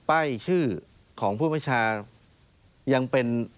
ป้ายชื่อของผู้ประชายังเป็น